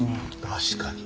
確かに。